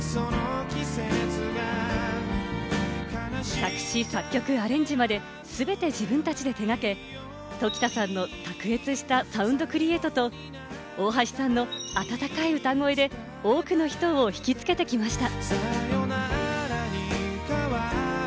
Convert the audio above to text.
作詞・作曲・アレンジまで、全て自分たちで手がけ、常田さんの卓越したサウンドクリエイトと、大橋さんの温かい歌声で多くの人をひきつけてきました。